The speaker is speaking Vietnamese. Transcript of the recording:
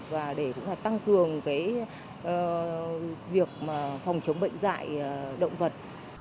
và để cũng là tăng cường cái việc mà phòng chống bệnh dạy